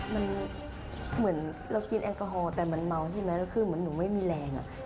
มันเหมือนเรากินแอลกอฮอลแต่มันเมาใช่ไหมแล้วคือเหมือนหนูไม่มีแรง